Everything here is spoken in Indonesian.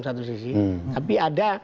satu sisi tapi ada